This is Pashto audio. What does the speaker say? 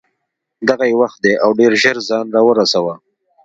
دغه یې وخت دی او ډېر ژر ځان را ورسوه.